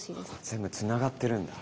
全部つながってるんだ。